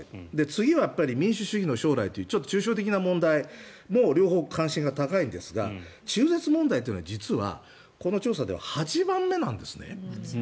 次は民主主義の将来というちょっと抽象的な問題も両方関心が高いんですが中絶問題は実はこの調査では８番目なんですね。